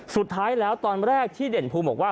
สุดท้ายแล้วตอนแรกที่เด่นภูมิบอกว่า